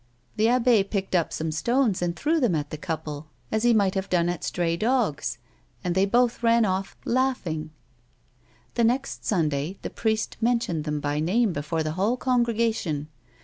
The abbe picked up some stones and threw them at the couple as he might have done at stray dogs, and they both ran off, laughing. The next Sunday the priest mentioned them by name before the whole congregation.